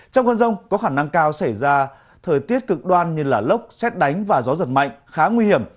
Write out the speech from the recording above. trong cơn rông có khả năng cao xảy ra thời tiết cực đoan như lốc xét đánh và gió giật mạnh khá nguy hiểm